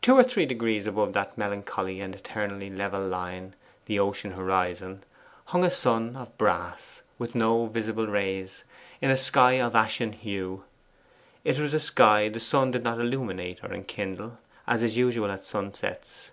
Two or three degrees above that melancholy and eternally level line, the ocean horizon, hung a sun of brass, with no visible rays, in a sky of ashen hue. It was a sky the sun did not illuminate or enkindle, as is usual at sunsets.